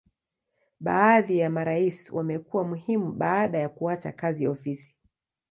Baadhi ya marais wamekuwa muhimu baada ya kuacha kazi ofisi.